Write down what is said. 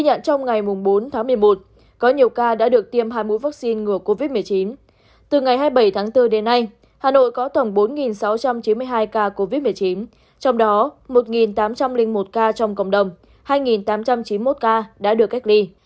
hà nội có tổng bốn sáu trăm chín mươi hai ca covid một mươi chín trong đó một tám trăm linh một ca trong cộng đồng hai tám trăm chín mươi một ca đã được cách ly